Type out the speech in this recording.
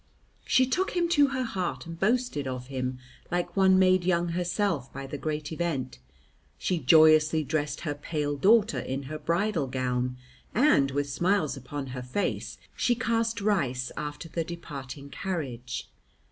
She took him to her heart and boasted of him; like one made young herself by the great event, she joyously dressed her pale daughter in her bridal gown, and, with smiles upon her face, she cast rice after the departing carriage.